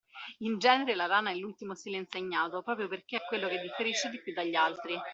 In genere la rana è l’ultimo stile insegnato, proprio perchè è quello che differisce di più dagli altri.